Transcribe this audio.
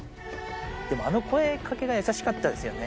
でもあの声掛けが優しかったですよね。